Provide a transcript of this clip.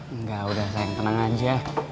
enggak udah sayang tenang aja